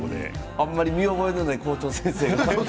あまり見覚えのない校長先生が。